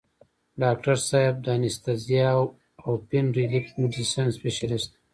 ډاکټر صېب دانستهزيا او پين ريليف ميډيسن سپيشلسټ دے ۔